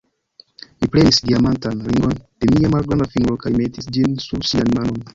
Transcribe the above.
Mi prenis diamantan ringon de mia malgranda fingro kaj metis ĝin sur ŝian manon.